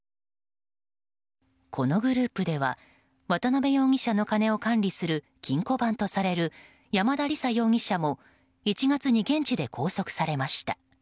このグループでは渡辺容疑者の金を管理する金庫番とされる山田李沙容疑者も１月に現地で拘束されました。